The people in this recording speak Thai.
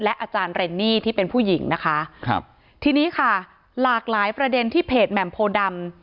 อาจารย์เรนนี่ที่เป็นผู้หญิงนะคะครับทีนี้ค่ะหลากหลายประเด็นที่เพจแหม่มโพดำ